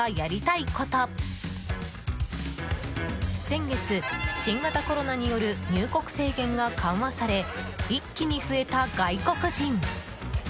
先月、新型コロナによる入国制限が緩和され一気に増えた外国人。